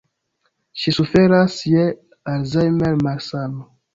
Ŝi suferas je Alzheimer-malsano.